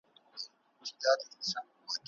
په قلم خط لیکل د ستونزو د حل وړتیا لوړوي.